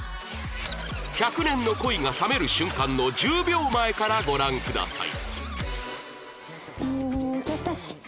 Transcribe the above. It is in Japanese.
１００年の恋が冷める瞬間の１０秒前からご覧ください